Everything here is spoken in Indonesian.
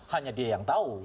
hanya dia yang tahu